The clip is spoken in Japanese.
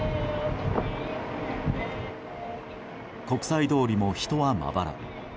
国際通りも人はまばら。